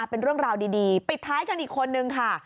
เป็นเรื่องราวดีปิดท้ายกันอีกคนนึงค่ะ